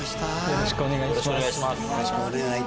よろしくお願いします。